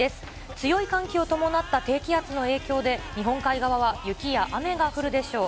強い寒気を伴った低気圧の影響で、日本海側は雪や雨が降るでしょう。